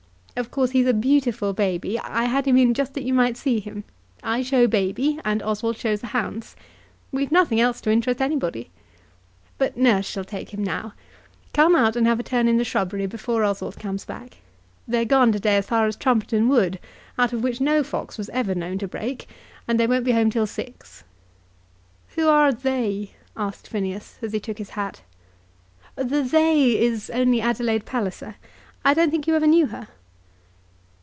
Of course, he's a beautiful baby. I had him in just that you might see him. I show Baby, and Oswald shows the hounds. We've nothing else to interest anybody. But nurse shall take him now. Come out and have a turn in the shrubbery before Oswald comes back. They're gone to day as far as Trumpeton Wood, out of which no fox was ever known to break, and they won't be home till six." "Who are 'they'?" asked Phineas, as he took his hat. "The 'they' is only Adelaide Palliser. I don't think you ever knew her?"